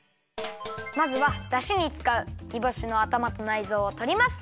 まずはだしにつかうにぼしのあたまとないぞうをとります。